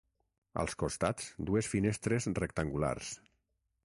Als costats dues finestres rectangulars.